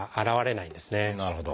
なるほど。